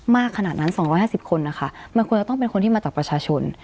ขนาดนั้น๒๕๐คนนะคะมันควรจะต้องเป็นคนที่มาจากประชาชน